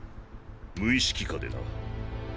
無意識下でな。